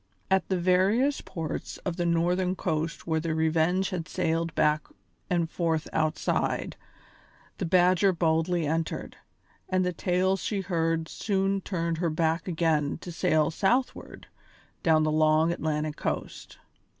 At the various ports of the northern coast where the Revenge had sailed back and forth outside, the Badger boldly entered, and the tales she heard soon turned her back again to sail southward down the long Atlantic coast.